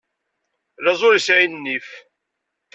Laẓ ur isɛi nnif.